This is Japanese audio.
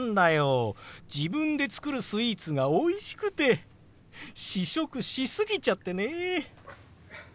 自分で作るスイーツがおいしくて試食し過ぎちゃってね。